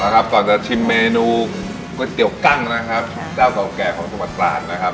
ก่อนจะชิมเมนูก๋วยเตี๋ยวกั้งนะครับเจ้าเก่าแก่ของจังหวัดตราดนะครับ